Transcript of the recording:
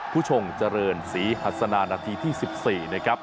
ผู้ชมเจริญสีฮัสนานนะที่ที่๑๔